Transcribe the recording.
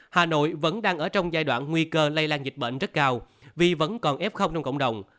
hà nội vẫn đang ở trong giai đoạn nguy cơ lây lan dịch bệnh rất cao vì vẫn còn f trong cộng đồng